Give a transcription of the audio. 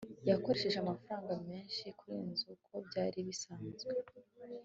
yakoresheje amafaranga menshi kurenza uko byari bisanzwe